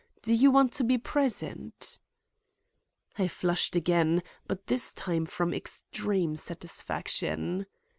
Do you want to be present?" I flushed again; but this time from extreme satisfaction.